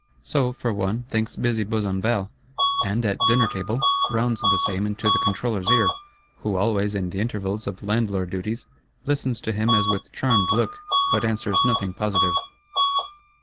So, for one, thinks busy Besenval; and, at dinner table, rounds the same into the Controller's ear,—who always, in the intervals of landlord duties, listens to him as with charmed look, but answers nothing positive.